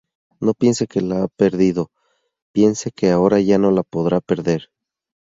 No piense que la ha perdido, piense que ahora ya no la podrá perder.